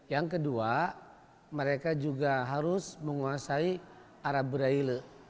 yang kedua mereka juga harus menguasai arab braille